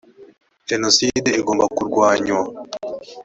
genocide igomba kurwanywa .